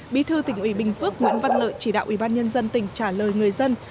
bí thư tỉnh ủy bình phước nguyễn văn lợi chỉ đạo ủy ban nhân dân tỉnh trả lời người dân